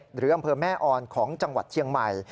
อำเภอแม่ออนของจังหวัดเชียงใหม่